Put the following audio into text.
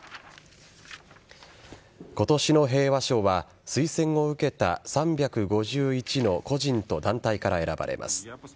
今年の平和賞は推薦を受けた３５１の個人と団体から選ばれます。